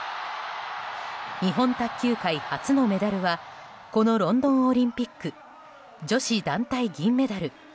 日本卓球界初のメダルはこのロンドンオリンピック女子団体銀メダル。